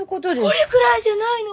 これぐらいじゃないの！